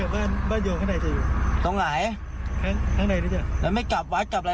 เอาดีวันต้นวันเห็นอยู่ประบาท